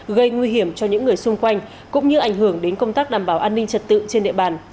gây nguy hiểm cho những người xung quanh cũng như ảnh hưởng đến công tác đảm bảo an ninh trật tự trên địa bàn